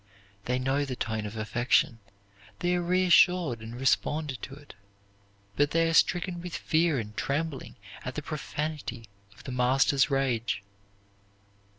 They know the tone of affection; they are reassured and respond to it. But they are stricken with fear and trembling at the profanity of the master's rage.